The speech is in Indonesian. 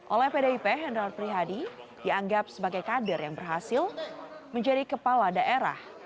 oleh pdip hendral prihadi dianggap sebagai kader yang berhasil menjadi kepala daerah